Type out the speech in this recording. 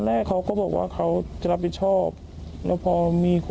อันนี้